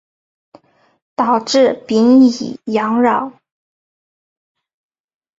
导致丙寅洋扰。